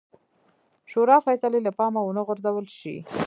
شورا فیصلې له پامه ونه غورځول شي.